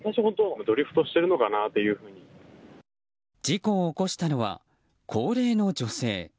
事故を起こしたのは高齢の女性。